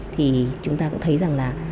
thì chúng ta cũng thấy rằng là